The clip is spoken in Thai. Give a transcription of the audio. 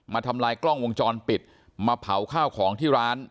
ทำลายกล้องวงจรปิดมาเผาข้าวของที่ร้าน